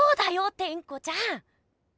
テンコちゃん！